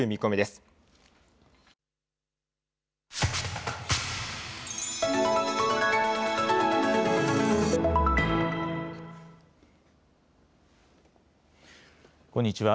こんにちは。